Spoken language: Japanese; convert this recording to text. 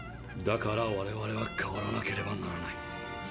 だから我々は変わらなければならない。